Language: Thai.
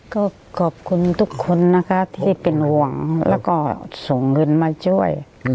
ก็ขอบคุณทุกคนนะคะที่เป็นห่วงแล้วก็ส่งเงินมาช่วย